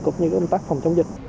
cũng như công tác phòng chống dịch